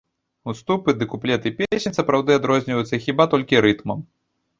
Уступы ды куплеты песень сапраўды адрозніваюцца хіба толькі рытмам.